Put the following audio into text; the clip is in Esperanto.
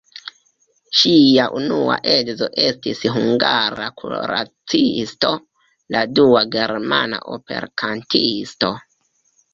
Ŝia unua edzo estis hungara kuracisto, la dua germana operkantisto.